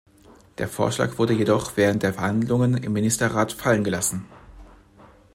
Der Vorschlag wurde jedoch während der Verhandlungen im Ministerrat fallengelassen.